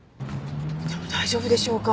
でも大丈夫でしょうか？